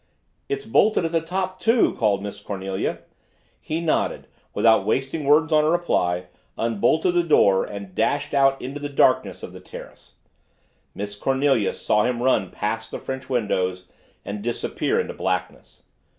"It's bolted at the top, too," called Miss Cornelia. He nodded, without wasting words on a reply, unbolted the door and dashed out into the darkness of the terrace. Miss Cornelia saw him run past the French windows and disappear into blackness.